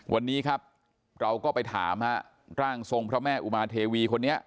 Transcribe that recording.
วันนี้ครับเราก็ไปถามฮะร่างทรงพระแม่อุมาเทวีคนนี้